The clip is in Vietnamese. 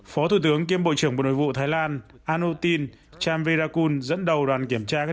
phó thủ tướng kiêm bộ trưởng bộ nội vụ thái lan anutin champerakun dẫn đầu đoàn kiểm tra các